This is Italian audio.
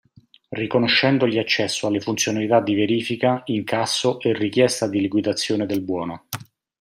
Riconoscendogli accesso alle funzionalità di verifica, incasso e richiesta di liquidazione del buono.